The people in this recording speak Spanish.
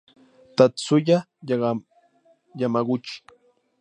Tatsuya Yamaguchi